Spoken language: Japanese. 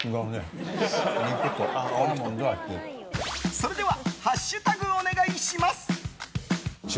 それではハッシュタグお願いします。